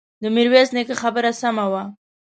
د ميرويس نيکه خبره سمه وه.